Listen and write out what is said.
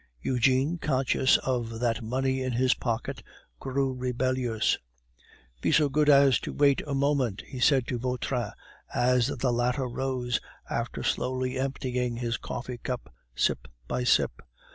Eugene, conscious of that money in his pocket, grew rebellious. "Be so good as to wait a moment," he said to Vautrin, as the latter rose, after slowly emptying his coffee cup, sip by sip.